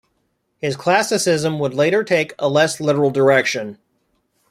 His classicism would later take a less literal direction.